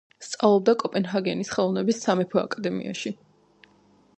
სწავლობდა კოპენჰაგენის ხელოვნების სამეფო აკადემიაში.